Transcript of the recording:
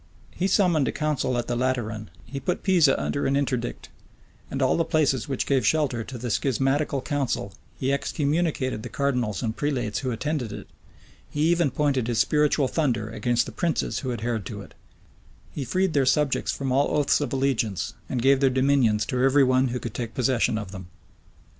He summoned, a council at the Lateran: he put Pisa under an interdict, and all the places which gave shelter to the schismatical council: he excommunicated the cardinals and prelates who attended it: he even pointed his spiritual thunder against the princes who adhered to it: he freed their subjects from all oaths of allegiance, and gave their dominions to every one who could take possession of them.